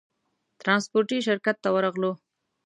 ترانسپورټي شرکت ته ورغلو.